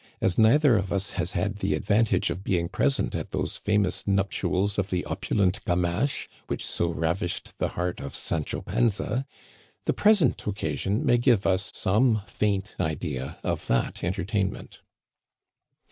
As neither of us has had the advantage of being pres ent at those famous nuptials of the opulent Gamache, which so ravished the heart of Sancho Panza, the pres ent occasion may give us some faint idea of that enter tainment."